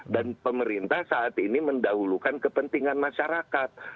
dan pemerintah saat ini mendahulukan kepentingan masyarakat